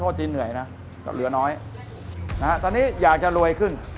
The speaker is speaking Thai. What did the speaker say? จีนเหนื่อยนะเหลือน้อยนะฮะตอนนี้อยากจะรวยขึ้น